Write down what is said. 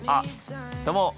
どうも。